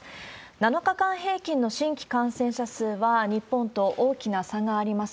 ７日間平均の新規感染者数は日本と大きな差があります。